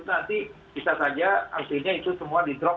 nanti bisa saja artinya itu semua di drop